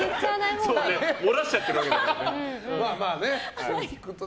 漏らしちゃってるわけだから。